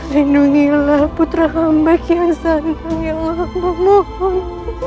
lindungilah putra hamba kukian santang ya allah mbak mohon